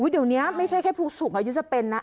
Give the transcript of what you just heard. เดี๋ยวนี้ไม่ใช่แค่ผู้สูงอายุจะเป็นนะ